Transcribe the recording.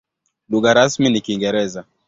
Lugha rasmi ni Kiingereza.